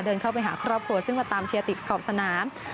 เดินเข้าไปหาครอบครัวซึ่งมาตามเชียร์ติดขอบสนาม